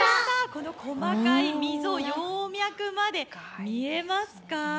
この細かい溝、葉脈まで見えますか。